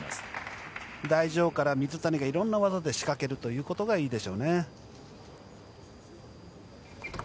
台上から水谷がいろいろな技で仕掛けるというのがいいでしょう。